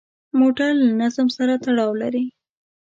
موټر له نظم سره تړاو لري.